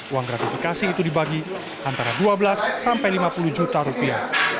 uang gratifikasi itu dibagi antara dua belas sampai lima puluh juta rupiah